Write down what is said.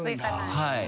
はい。